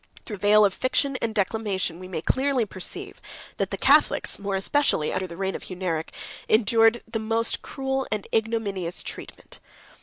Through the veil of fiction and declamation we may clearly perceive, that the Catholics more especially under the reign of Hunneric, endured the most cruel and ignominious treatment.